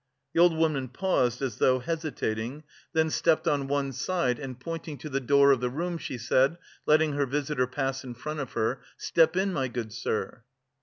The old woman paused, as though hesitating; then stepped on one side, and pointing to the door of the room, she said, letting her visitor pass in front of her: "Step in, my good sir."